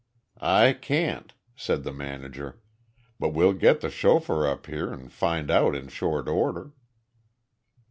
"I can't," said the manager, "but we'll get the chauffeur up here and find out in short order.